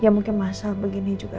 ya mungkin masa begini juga